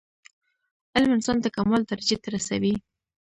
علم انسان د کمال درجي ته رسوي.